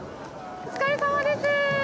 お疲れさまです。